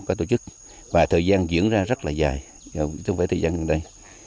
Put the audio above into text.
có tổ chức và thời gian diễn ra rất là dài không phải thời gian gần đây